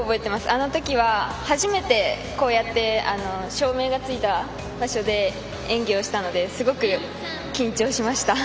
あの時は初めてこうやって、照明がついた場所で演技をしたのですごく、緊張しました。